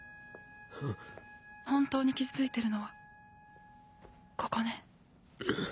本当に傷ついてるのはここね？